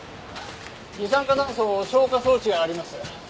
二酸化炭素消火装置があります。